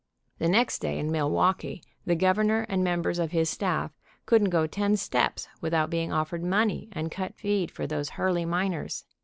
The next day in Milwaukee the Governor and mem bers of his staff couldn't go ten steps without being offered money and cut feed for those Hurley miners.